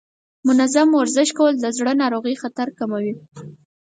منظم ورزش کول د زړه ناروغیو خطر کموي.